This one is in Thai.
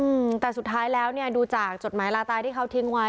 อืมแต่สุดท้ายแล้วเนี้ยดูจากจดหมายลาตายที่เขาทิ้งไว้